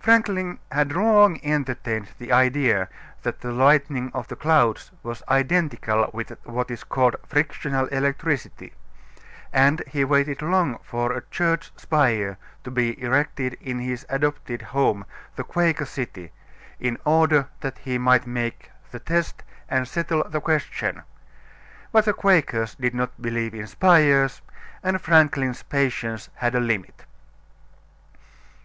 Franklin had long entertained the idea that the lightning of the clouds was identical with what is called frictional electricity, and he waited long for a church spire to be erected in his adopted home, the Quaker City, in order that he might make the test and settle the question. But the Quakers did not believe in spires, and Franklin's patience had a limit.